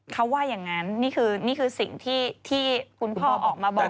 เขาว่าอย่างนั้นนี่คือนี่คือสิ่งที่คุณพ่อออกมาบอก